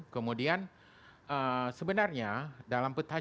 kemudian sebenarnya dalam petajaran